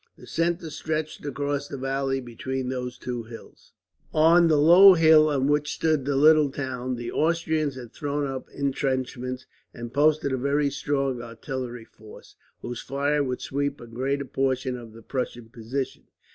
The centre stretched across the valley between those hills. On the low hill on which stood the little town, the Austrians had thrown up intrenchments, and posted a very strong artillery force, whose fire would sweep a greater portion of the Prussian position.